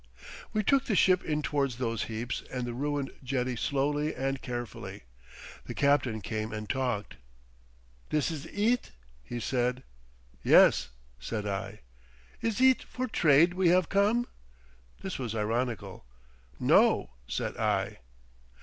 We took the ship in towards those heaps and the ruined jetty slowly and carefully. The captain came and talked. "This is eet?" he said. "Yes," said I. "Is eet for trade we have come?" This was ironical. "No," said I.